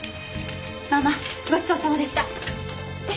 ママごちそうさまでした。え？